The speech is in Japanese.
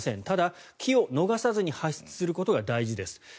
ただ、機を逃さずに発出することが大事です。